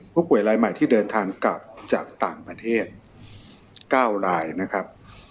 ผู้ป่วยรายใหม่ที่เดินทางกลับจากต่างประเทศ๙รายนะครับ